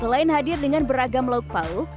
selain hadir dengan beragam lauk pauk